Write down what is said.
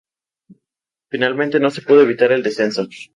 Finalmente, no se pudo evitar el descenso.